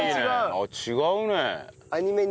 あっ違うね。